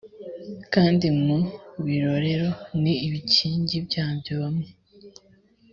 kandi mu birorero n ibikingi byabyo bamwe